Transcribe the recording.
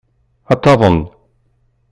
Ad taḍen.